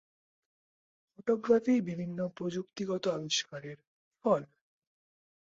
Photography বিভিন্ন প্রযুক্তিগত আবিষ্কারের ফল।